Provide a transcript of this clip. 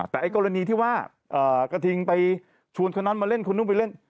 แต่ไอ้กรณีที่ว่ากระทิงไปชวนคนนั้นมาเล่นคุณนุ่งไปเล่น